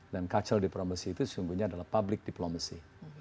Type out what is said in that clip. dan culture diplomacy itu sejujurnya adalah public diplomacy